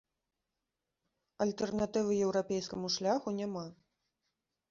Альтэрнатывы еўрапейскаму шляху няма.